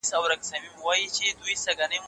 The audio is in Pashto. چي منلی پر کابل او هندوستان وو